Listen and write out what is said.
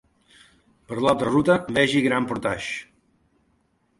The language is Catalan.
Per l'altra ruta vegi Grand Portage.